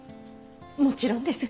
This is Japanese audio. もちろんです。